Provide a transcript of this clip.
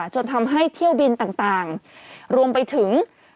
จนทำให้เที่ยวบินต่างรวมไปถึง